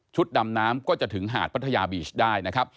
ดำน้ำก็จะถึงหาดพัทยาบีชได้นะครับ